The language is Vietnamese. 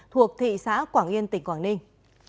cuộc thị xã quảng yên tỉnh quảng ninh